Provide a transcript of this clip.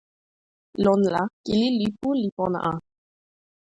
lon la, kili lipu li pona a.